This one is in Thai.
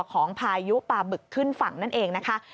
พายุปลาบึกขึ้นฝั่งนั่นเองนะคะ